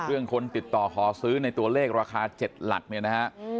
คนติดต่อขอซื้อในตัวเลขราคา๗หลักเนี่ยนะฮะ